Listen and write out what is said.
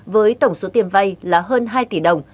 với tổng số tiền vay là hơn hai tỷ đồng